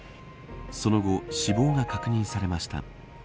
その後、死亡が確認されました。